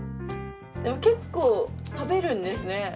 結構食べるんですね。